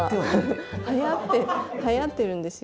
はやってはやってるんですよ。